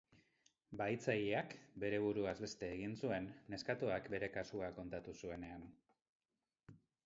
Bahitzaileak, bere buruaz beste egin zuen neskatoak bere kasua kontatu zuenean.